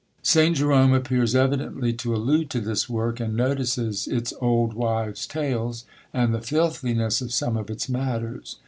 St. Jerome appears evidently to allude to this work, and notices its "Old Wives' Tales," and the filthiness of some of its matters.